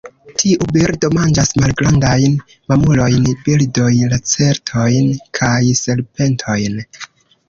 Tiu birdo manĝas malgrandajn mamulojn, birdojn, lacertojn kaj serpentojn.